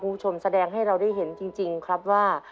คุณผู้ชมแสดงให้เราได้เห็นจริงครับว่า